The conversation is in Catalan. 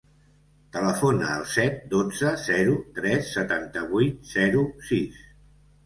Telefona al set, dotze, zero, tres, setanta-vuit, zero, sis.